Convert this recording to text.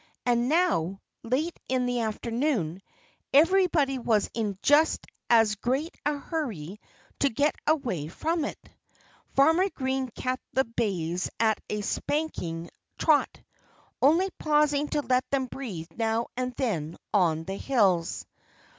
And now, late in the afternoon, everybody was in just as great a hurry to get away from it. Farmer Green kept the bays at a spanking trot, only pausing to let them breathe now and then on the hills.